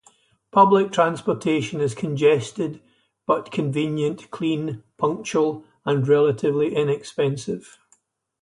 Public transportation is congested but convenient, clean, punctual, and relatively inexpensive.